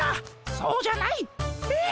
そうじゃない！えっ？